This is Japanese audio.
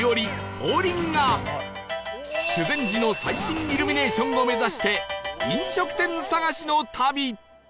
王林が修善寺の最新イルミネーションを目指して飲食店探しの旅